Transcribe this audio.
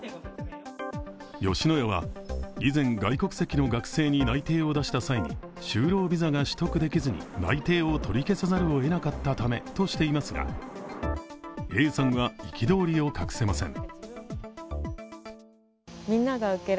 吉野家は、以前、外国籍の学生に内定を出した際に就労ビザが取得できずに内定を取り消さざるを得なかったためとしていますが、Ａさんは、憤りを隠せません。